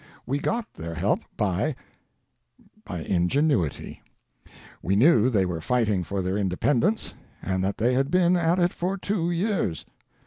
We got their help by — by ingenuity. We knew they were fighting for their independence, and that they had been at it for two years.